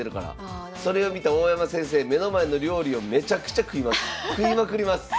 それを見た大山先生目の前の料理をめちゃくちゃ食いまくります。